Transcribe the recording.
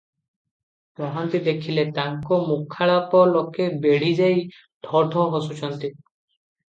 ମହାନ୍ତି ଦେଖିଲେ, ତାଙ୍କ ମୁଖାଳାପ ଲୋକେ ବେଢିଯାଇ ଠୋ ଠୋ ହସୁଛନ୍ତି ।